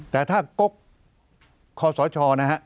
แต่ถ้ากกขอสอชอ